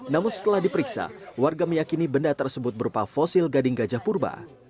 namun setelah diperiksa warga meyakini benda tersebut berupa fosil gading gajah purba